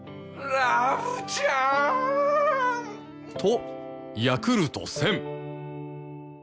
ん！とヤクルト１０００！